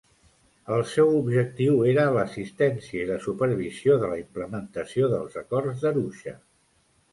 El seu objectiu era l'assistència i la supervisió de la implementació dels Acords d'Arusha.